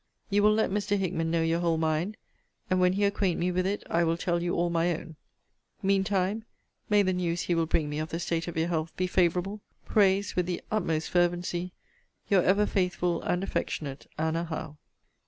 You will let Mr. Hickman know your whole mind; and when he acquaint me with it, I will tell you all my own. Mean time, may the news he will bring me of the state of your health be favourable! prays, with the utmost fervency, Your ever faithful and affectionate ANNA HOWE.